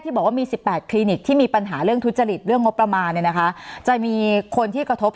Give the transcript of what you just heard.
สนับสนุนโดยพี่โพเพี่ยวสะอาดใสไร้คราบ